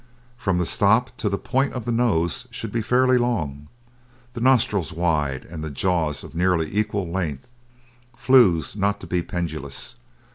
From the stop to the point of the nose should be fairly long, the nostrils wide, and the jaws of nearly equal length; flews not to be pendulous.